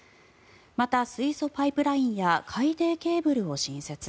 また、水素パイプラインや海底ケーブルを新設。